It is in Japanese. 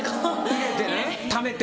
入れてねためて。